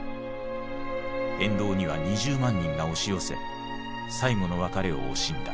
沿道には２０万人が押し寄せ最後の別れを惜しんだ。